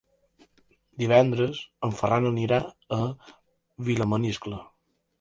Divendres en Ferran anirà a Vilamaniscle.